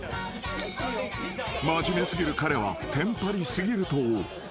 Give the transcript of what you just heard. ［真面目過ぎる彼はテンパり過ぎると］